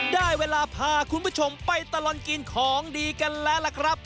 ได้เวลาพาคุณผู้ชมไปตลอดกินของดีกันแล้วล่ะครับ